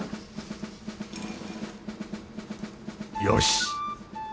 よし！